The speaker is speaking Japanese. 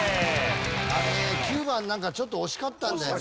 ９番なんかちょっと惜しかったんだよね。